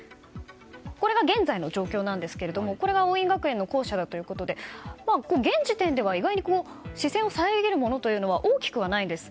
これが現在の状況ですがこれが桜蔭学園の校舎だということで現時点では視線を遮るものは大きくはないんです。